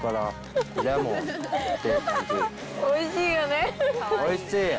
おいしい！